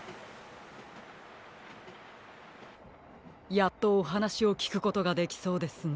やっとおはなしをきくことができそうですね。